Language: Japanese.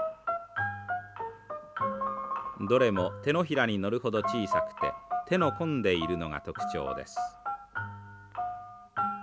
どれも手のひらに乗るほど小さくて手の込んでいるのが特徴です。